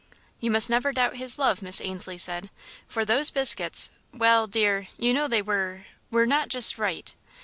"You must never doubt his love," Miss Ainslie said, "for those biscuits well, dear, you know they were were not just right."